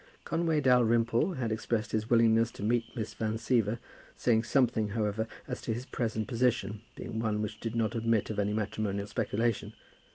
Conway Dalrymple had expressed his willingness to meet Miss Van Siever, saying something, however, as to his present position being one which did not admit of any matrimonial speculation.